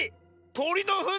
とりのふん？